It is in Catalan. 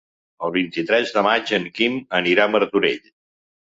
El vint-i-tres de maig en Quim anirà a Martorell.